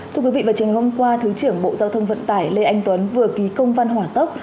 thưa quý vị vào trường hôm qua thứ trưởng bộ giao thông vận tải lê anh tuấn vừa ký công văn hỏa tốc